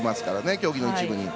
競技の一部に。